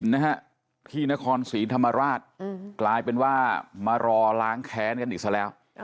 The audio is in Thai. นะฮะที่นครศรีธรรมราชกลายเป็นว่ามารอล้างแค้นกันอีกซะแล้ว